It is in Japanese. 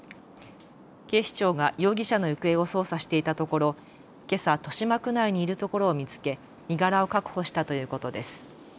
警視庁が容疑者の行方を捜査していたところ、けさ豊島区内にいるところを見つけ身柄を確保したということです。